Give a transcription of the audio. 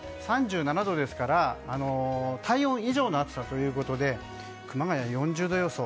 ３７度ですから体温以上の暑さということで熊谷４０度予想